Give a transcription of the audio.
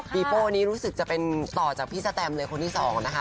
ปีโป้นี้รู้สึกจะเป็นต่อจากพี่สแตมเลยคนที่สองนะคะ